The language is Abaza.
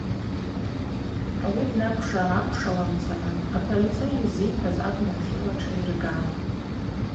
Ауи днакӏвша-гӏакӏвшауамцара аполицай йыззихӏваз абна ахьыла тшайыргатӏ.